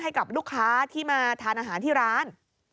ให้กับลูกค้าที่มาทานอาหารที่ร้าน